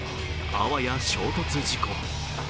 あわや衝突事故。